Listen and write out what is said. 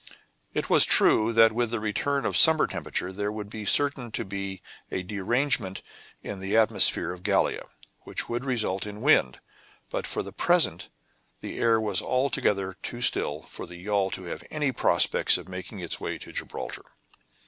It was true that with the return of summer temperature, there would be certain to be a derangement in the atmosphere of Gallia, which would result in wind, but for the present the air was altogether too still for the yawl to have any prospects of making its way to Gibraltar.